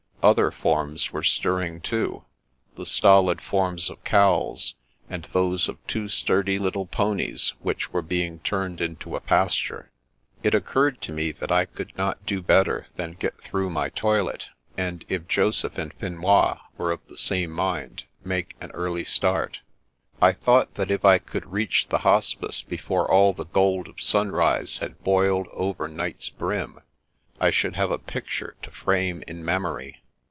Other forms were stirring too, the stolid forms of cows, and those of two sturdy little ponies, which were being turned into a pasture. It occurred to me that I could not d6 better than get through my toilet, and, if Joseph and Finois were of the same mind, make an early start. I thought The Scraping of Acquaintance 121 that if I could reach the Hospice before all the gold of sunrise had boiled over night's brim, I should have a picture to frame in memory.